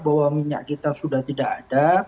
bahwa minyak kita sudah tidak ada